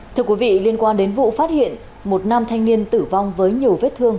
thưa quý vị liên quan đến vụ phát hiện một nam thanh niên tử vong với nhiều vết thương